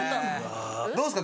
どうっすか？